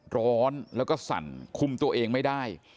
ร้อนแล้วก็สั่นคุมตัวเองไม่ได้